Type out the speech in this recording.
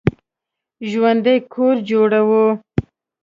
ژوندي کور جوړوي